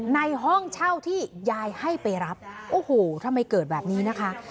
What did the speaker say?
ในห้องเช่าที่ยายให้ไปรับโอ้โหทำไมเกิดแบบนี้นะคะ